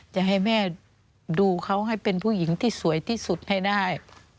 จะให้แม่ดูเขาให้เป็นผู้หญิงที่สวยที่สุดให้ได้